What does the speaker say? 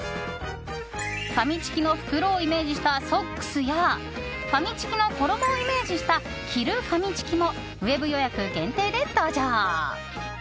ファミチキの袋をイメージしたソックスやファミチキの衣をイメージした着るファミチキもウェブ予約限定で登場。